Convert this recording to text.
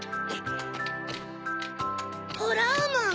ホラーマン。